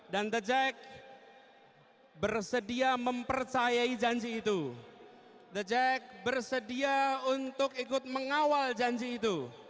dan the jack bersedia mempercayai janji itu the jack bersedia untuk ikut mengawal janji itu